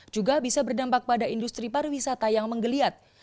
juga bisa berdampak pada industri pariwisata yang menggeliat